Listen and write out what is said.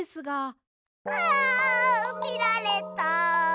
あみられた！